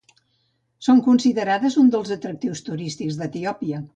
Són considerades un dels atractius turístics d’Etiòpia.